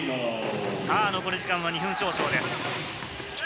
残り時間は２分少々です。